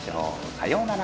さようなら。